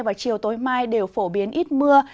và chiều tối mai đều phổ biến ít mưa